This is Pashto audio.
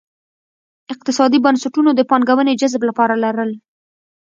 اقتصادي بنسټونو د پانګونې جذب لپاره لرل.